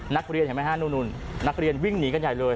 นักเรียนเห็นไหมฮะนู่นนู่นนักเรียนวิ่งหนีกันใหญ่เลย